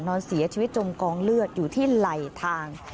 นอนเสียชีวิตจมกองเลือดอยู่ที่ไหลทาง